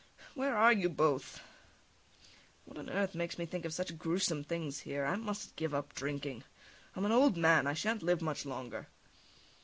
Where are you both? What on earth makes me think of such gruesome things here? I must give up drinking; I'm an old man, I shan't live much longer.